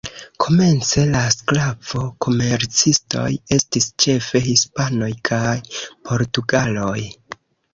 Komence la sklavo-komercistoj estis ĉefe hispanoj kaj portugaloj.